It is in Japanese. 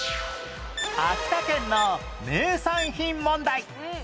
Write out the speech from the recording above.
秋田県の名産品問題